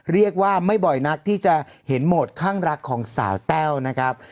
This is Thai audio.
เรียกว่าไม่บ่อยนักที่จะเห็นโหมดข้างรักของสาวแต้วนะครับ